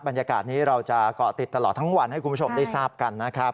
บรรยากาศนี้เราจะเกาะติดตลอดทั้งวันให้คุณผู้ชมได้ทราบกันนะครับ